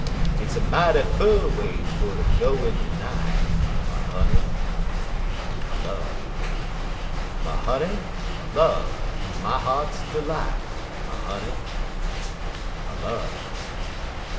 Hit's a mighty fur ways fer to go in de night, My honey, my love! My honey, my love, my heart's delight My honey, my love!